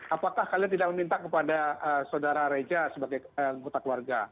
apakah kalian tidak meminta kepada saudara reja sebagai anggota keluarga